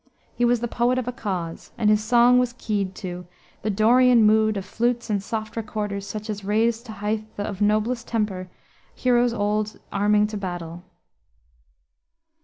He was the poet of a cause, and his song was keyed to "The Dorian mood Of flutes and soft recorders such as raised To heighth of noblest temper, heroes old Arming to battle."